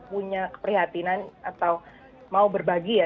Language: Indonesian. punya keprihatinan atau mau berbagi ya